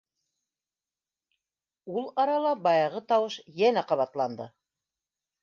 Ул арала баяғы тауыш йәнә ҡабатланды.